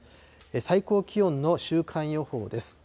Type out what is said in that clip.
最高気温の週間予報です。